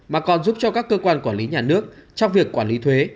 mà còn giúp cho các cơ quan quản lý nhà nước trong việc quản lý thuế